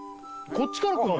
こっちから来んの？